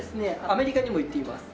アメリカにも行っています。